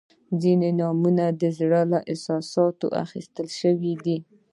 • ځینې نومونه د زړه له احساساتو اخیستل شوي دي.